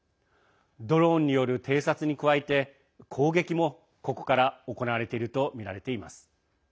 ドローンによる偵察に加えて攻撃も、ここから行われているとみられています。